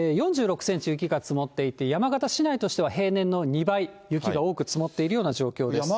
４６センチ雪が積もっていて、山形市内としては平年の２倍雪が多く積もっているような状況です。